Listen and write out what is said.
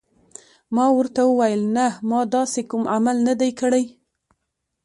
ما ورته وویل: نه، ما داسې کوم عمل نه دی کړی.